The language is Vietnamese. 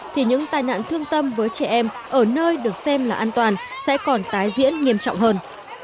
thì những tai nạn thương tâm với trẻ em ở nơi được xem là an toàn sẽ còn tái diễn nghiêm trọng hơn